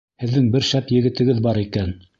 Һеҙҙең бер шәп егетегеҙ бар икән.